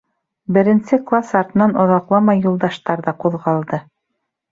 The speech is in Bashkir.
Беренсе класс артынан оҙаҡламай Юлдаштар ҙа ҡуҙғалды.